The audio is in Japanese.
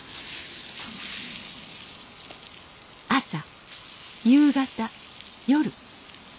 朝夕方夜。